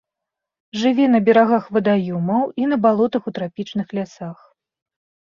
Жыве на берагах вадаёмаў і на балотах у трапічных лясах.